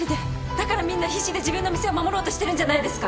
だからみんな必死で自分の店を守ろうとしてるんじゃないですか。